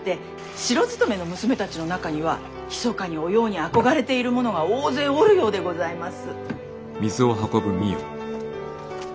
城勤めの娘たちの中にはひそかにお葉に憧れている者が大勢おるようでございます。